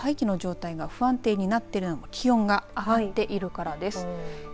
大気の状態が不安になっているのも気温が上がっているからです。